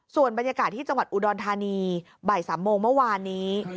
ส่วนบรรยากาศที่จังหวัดอุดรธานีบ่าย๓โมงเมื่อวานนี้